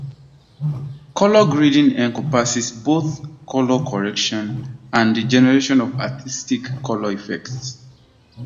Color grading encompasses both color correction and the generation of artistic color effects.